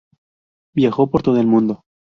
Viajó por todo el mundo.